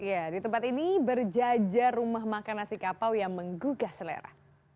ya di tempat ini berjajar rumah makan nasi kapau yang menggugah selera